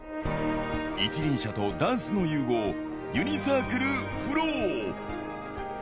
一輪車とダンスの融合、ユニサークル・フロー。